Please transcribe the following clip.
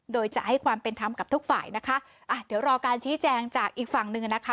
โดยจะให้ความเป็นธรรมกับทุกฝ่ายนะคะอ่ะเดี๋ยวรอการชี้แจงจากอีกฝั่งหนึ่งนะคะ